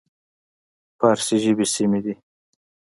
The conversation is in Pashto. فارسي ژبې سیمې وې.